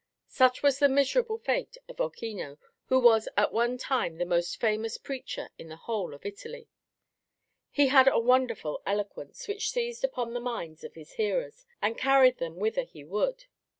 Such was the miserable fate of Ochino, who was at one time the most famous preacher in the whole of Italy. He had a wonderful eloquence, which seized upon the minds of his hearers and carried them whither he would.